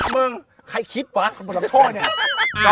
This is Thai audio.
มึงใครคิดวะคนบนลำโพ่เนี่ย